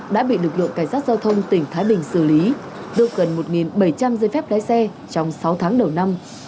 đã bị lực lượng cảnh sát giao thông tỉnh thái bình xử lý được gần một bảy trăm linh giấy phép lái xe trong sáu tháng đầu năm